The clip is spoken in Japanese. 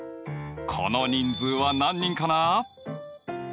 この人数は何人かな？